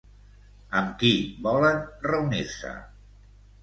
Amb qui volen reunir-se?